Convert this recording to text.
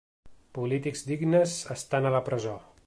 Polítics dignes estan a la presó.